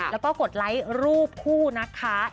แล้วก็กดไลค์รูปคู่นะคะ